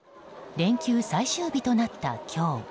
連休最終日となった今日。